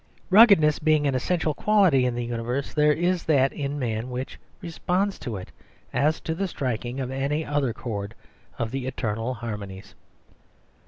Ruggedness being an essential quality in the universe, there is that in man which responds to it as to the striking of any other chord of the eternal harmonies.